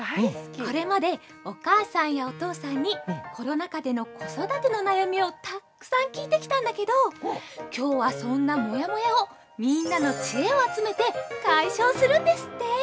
これまでお母さんやお父さんにコロナ禍での子育ての悩みをたっくさん聞いてきたんだけど今日はそんなもやもやをみんなのチエを集めて解消するんですって！